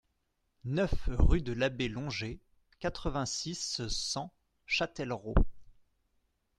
neuf rue de l'Abbé Longer, quatre-vingt-six, cent, Châtellerault